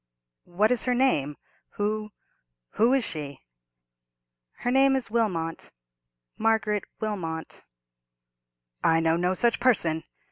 "What is her name?—who—who is she?" "Her name is Wilmot—Margaret Wilmot." "I know no such person!"